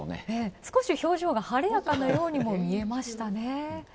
少し表情が晴れやかなようにも見えましたね。